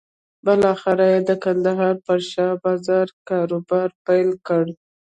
بالاخره یې د کندهار په شا بازار کې کاروبار پيل کړ.